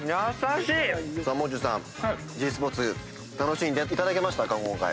もう中さんｇスポーツ楽しんでいただけましたか？